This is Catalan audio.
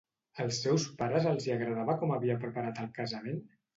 Als seus pares els hi agradava com havia preparat el casament?